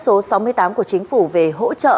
số sáu mươi tám của chính phủ về hỗ trợ